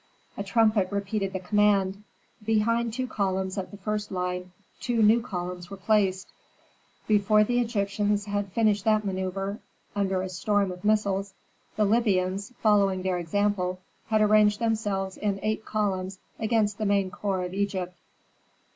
A trumpet repeated the command. Behind two columns of the first line two new columns were placed. Before the Egyptians had finished that manœuvre, under a storm of missiles, the Libyans, following their example, had arranged themselves in eight columns against the main corps of Egypt.